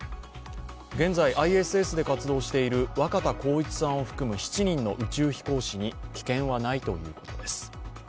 現在、ＩＳＳで活動している若田光一さんを含む７人の宇宙飛行士に危険はないということです。